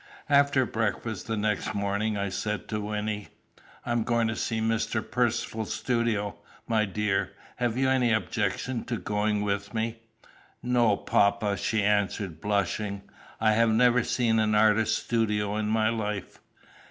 After breakfast the next morning, I said to Wynnie, "I am going to see Mr. Percivale's studio, my dear: have you any objection to going with me?" "No, papa," she answered, blushing. "I have never seen an artist's studio in my life."